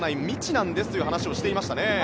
未知なんですと話していましたね。